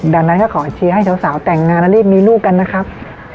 ดังนั้นก็ขอเชียร์ให้สาวแต่งงานแล้วรีบมีลูกกันนะครับ